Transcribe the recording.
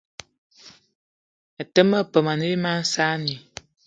Até ma peum ne bí mag saanì